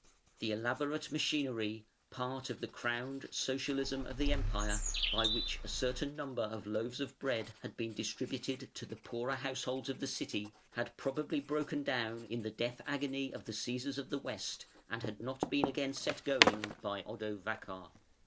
The elaborate machinery, part of the crowned Socialism of the Empire, by which a certain number of loaves of bread had been distributed to the poorer householders of the City, had probably broken down in the death agony of the Cæsars of the West, and had not been again set going by Odovacar.